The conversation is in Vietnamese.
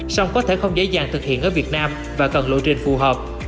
song có thể không dễ dàng thực hiện ở việt nam và cần lộ trình phù hợp